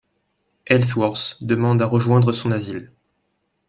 Ellsworth demande à rejoindre son asile.